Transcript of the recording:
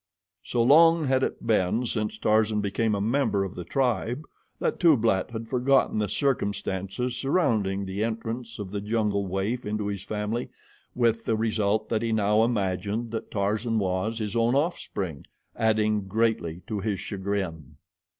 So long had it been since Tarzan became a member of the tribe, that Tublat had forgotten the circumstances surrounding the entrance of the jungle waif into his family, with the result that he now imagined that Tarzan was his own offspring, adding greatly to his chagrin.